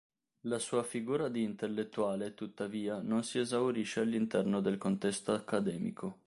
La sua figura di intellettuale, tuttavia, non si esaurisce all'interno del contesto accademico.